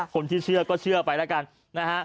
คนที่เชื่อก็เชื่อไปละกัน